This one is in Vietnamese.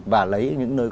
và lấy những nơi